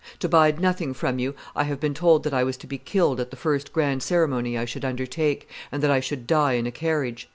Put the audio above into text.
To bide nothing from you, I have been told that I was to be killed at the first grand ceremony I should undertake, and that I should die in a carriage."